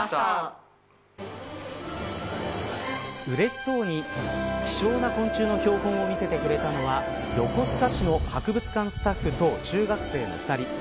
うれしそうに希少な昆虫の標本を見せてくれたのは横浜市の博物館スタッフと中学生の２人。